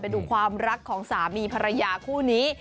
ดูความรักของสามีภรรยาคู่นี้